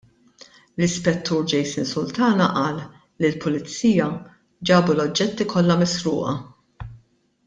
L-Ispettur Jason Sultana qal li l-pulizija ġabu l-oġġetti kollha misruqa.